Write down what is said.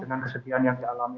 dengan kesedihan yang dialami